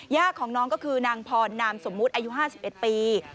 ย่าของน้องก็คือนางพรนามสมมุติอายุ๕๑ปี